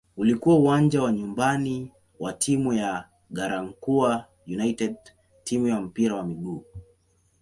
Ulikuwa uwanja wa nyumbani wa timu ya "Garankuwa United" timu ya mpira wa miguu.